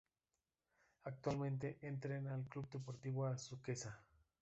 Actualmente entrena al Club Deportivo Azuqueca.